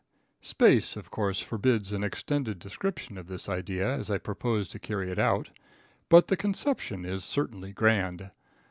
Space, of course, forbids an extended description of this idea as I propose to carry it out, but the conception is certainly grand.